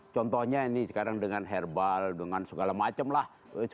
contohnya ini sekarang dengan herbal dengan segala macamlah